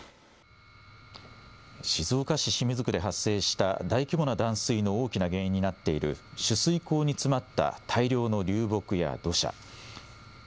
静岡市清水区で発生した大規模な断水の大きな原因になっている、取水口に詰まった大量の流木や土砂。